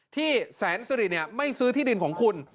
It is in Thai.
ที่แสนสิริไม่ซื้อที่ดินของคุณ